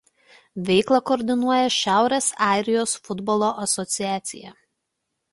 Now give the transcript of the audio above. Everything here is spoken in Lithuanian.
Veiklą koordinuoja Šiaurės Airijos futbolo asociacija.